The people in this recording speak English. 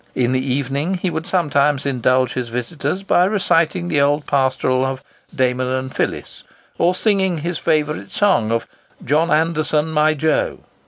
In the evening, he would sometimes indulge his visitors by reciting the old pastoral of "Damon and Phyllis," or singing his favourite song of "John Anderson my Joe."